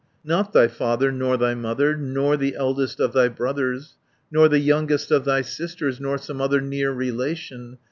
"Not thy father, not thy mother, Nor the eldest of thy brothers, 330 Nor the youngest of thy sisters Nor some other near relation.